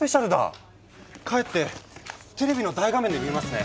帰ってテレビの大画面で見ますね！